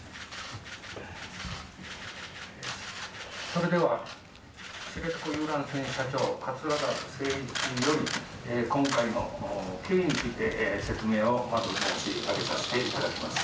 それでは知床遊覧船社長桂田精一より今回の経緯について説明をさせていただきます。